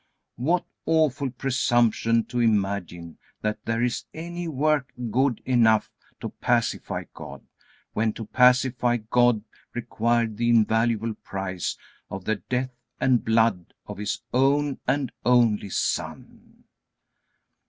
What awful presumption to imagine that there is any work good enough to pacify God, when to pacify God required the invaluable price of the death and blood of His own and only Son?